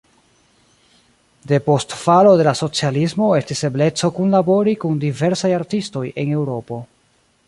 Depost falo de la socialismo estis ebleco kunlabori kun diversaj artistoj en Eŭropo.